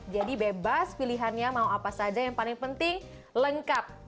jadi bebas pilihannya mau apa saja yang paling penting lengkap